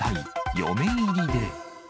嫁入りで。